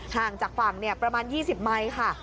ห่างจากฝั่งประมาณ๒๐ไมค์ค่ะ